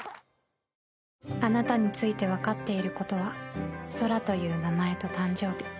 あなたについてわかっていることは空という名前と誕生日。